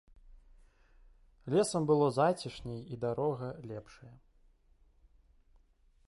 Лесам было зацішней і дарога лепшая.